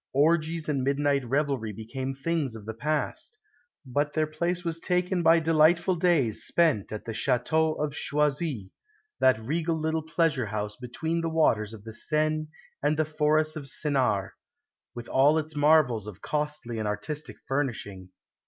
Orgies and midnight revelry became things of the past, but their place was taken by delightful days spent at the Château of Choisy, that regal little pleasure house between the waters of the Seine and the Forest of Sénart, with all its marvels of costly and artistic furnishing.